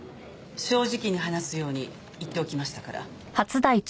正直に話すように言っておきましたから。